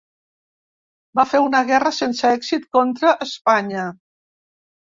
Va fer una guerra sense èxit contra Espanya.